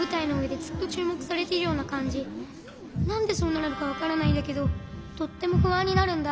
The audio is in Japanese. なんでそうなるのかわからないんだけどとってもふあんになるんだ。